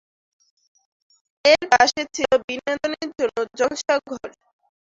এর পাশে ছিল বিনোদনের জন্য জলসা ঘর।